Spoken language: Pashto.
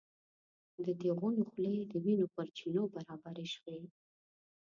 د تیغونو خولې د وینو پر چینو برابرې شوې.